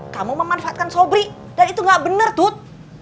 kamu memanfaatkan sobri dan itu gak benar tut